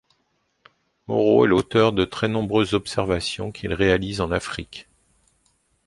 Moreau est l’auteur de très nombreuses observations qu’il réalise en Afrique.